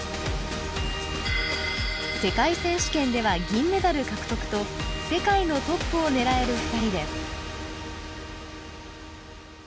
世界選手権では銀メダル獲得と世界のトップを狙える２人です。